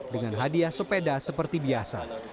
dengan hadiah sepeda seperti biasa